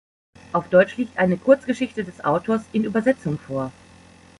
Auf Deutsch liegt eine Kurzgeschichte des Autors in Übersetzung vor.